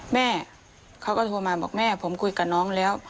แม่เขาก็โทรมาบอกแม่ผมคุยกับน้องแล้ว